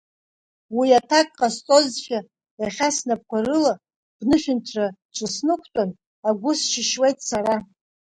Уи аҭак ҟасҵозшәа, иахьа снапқәа рыла, бнышәынҭраҿы снықәтәан, агәы сшьышьуеит сара.